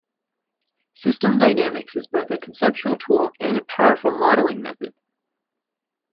System dynamics is both a conceptual tool and a powerful modeling method.